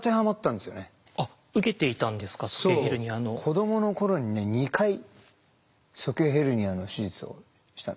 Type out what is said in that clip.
子供の頃にね２回鼠径ヘルニアの手術をしたんですよ。